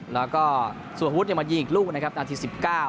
แล้วก็สุภวุฒิมายิงอีกลูกนะครับนาทีสิบเก้า